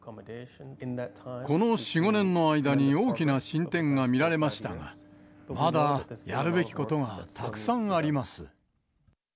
この４、５年の間に大きな進展が見られましたが、まだやるべきことがたくさんあります。